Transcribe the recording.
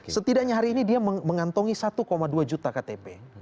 setidaknya hari ini dia mengantongi satu dua juta ktp